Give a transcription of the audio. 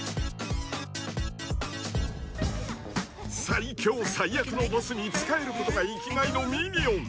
［最強最悪のボスに仕えることが生きがいのミニオン］